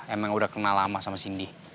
emang udah kenal lama sama cindy